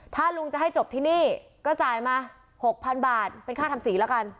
ถ้าลุงจะให้จบที่นี่ก็จ่ายมา๖๐๐๐บาทเป็นค่าทำสีแล้วกัน